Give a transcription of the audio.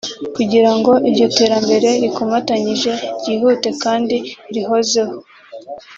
Kugira ngo iryo terambere rikomatanyije ryihute kandi rihozeho